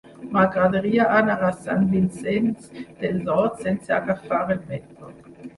M'agradaria anar a Sant Vicenç dels Horts sense agafar el metro.